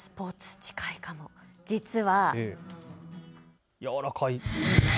実は。